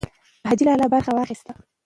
حاجي لالی برخه واخیسته.